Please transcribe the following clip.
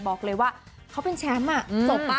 บอกเลยว่าเขาเป็นแชมป์จบป่ะ